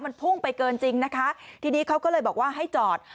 มันพุ่งไปเกินจริงนะคะทีนี้เขาก็เลยบอกว่าให้จอด